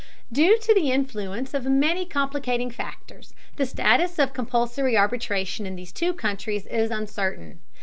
Due to the influence of many complicating factors, the status of compulsory arbitration in these two countries is uncertain.